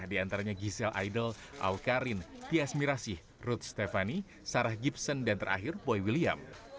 di antaranya giselle idol alkarin tias mirasyih ruth stephanie sarah gibson dan terakhir boy william